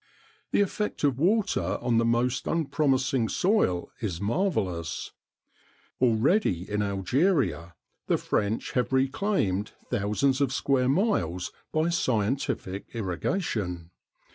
The effect of water on the most unpromising soil is marvellous. Already in Algeria the French have reclaimed thousands of square miles by scientific irrigation.